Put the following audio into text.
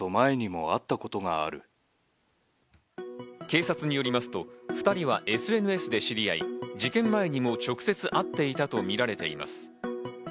警察によりますと、２人はＳＮＳで知り合い、事件前にも直接会っていたとみられています。